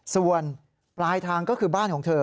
ส่วนปลายทางก็คือบ้านของเธอ